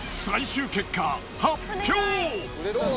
最終結果発表。